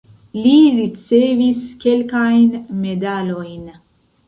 Li ricevis kelkajn medalojn.